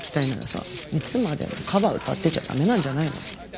いつまでもカバー歌ってちゃ駄目なんじゃないの？